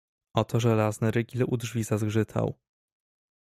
"Oto żelazny rygiel u drzwi zazgrzytał."